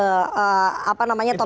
topik yang kita minta